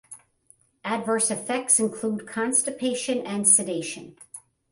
Adverse effects include constipation and sedation.